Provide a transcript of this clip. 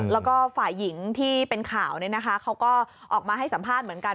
แล้วก็ฝ่ายหญิงที่เป็นข่าวเขาก็ออกมาให้สัมภาษณ์เหมือนกัน